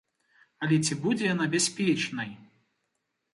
Але ці будзе яна бяспечнай?